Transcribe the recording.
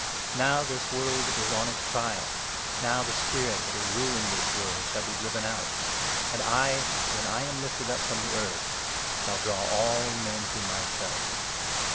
Now this world is on its trial. Now the Spirit 31 that is ruling this world shall be driven out ; and I, when 32 I am lifted up from the earth, shall draw all men to myself."